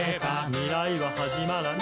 「未来ははじまらない」